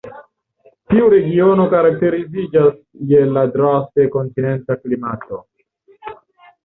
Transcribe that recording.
Tiu regiono karakteriziĝas je la draste kontinenta klimato.